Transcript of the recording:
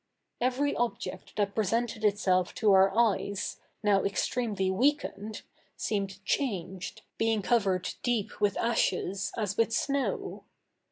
Every object that presented itself to our eyes, now extremely weakened, seemed changed, being covered deep with ashes as with snow.